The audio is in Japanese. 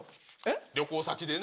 旅行先でね。